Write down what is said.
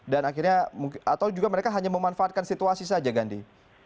dan akhirnya atau juga mereka hanya memanfaatkan situasi saja gandhi